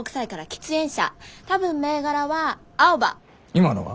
今のは？